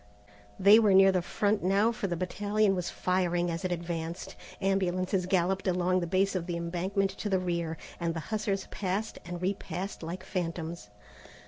They were near the front now for the battalion was firing as it advanced. Ambulances galloped along the base of the embankment to the rear, and the hussars passed and repassed like phantoms.